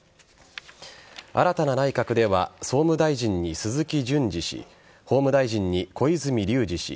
新たな内閣では総務大臣に鈴木淳司氏法務大臣に小泉龍司氏